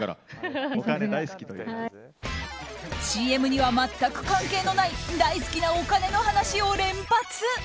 ＣＭには全く関係のない大好きなお金の話を連発。